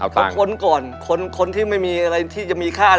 เขาค้นก่อนคนที่ไม่มีอะไรที่จะมีค่า